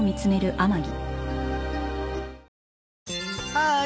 ハーイ！